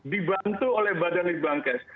dibantu oleh badan libang kes